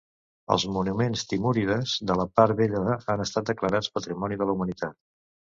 Els monuments timúrides de la part vella han estat declarats Patrimoni de la Humanitat.